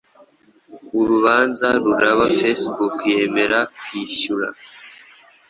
urubanza ruraba, Facebook yemera kwiishyura